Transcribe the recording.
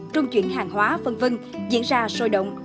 trung chuyển hàng hóa v v diễn ra sôi động